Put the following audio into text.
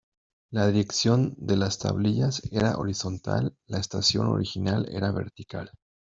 La dirección de las tablillas era horizontal; la estación original era vertical.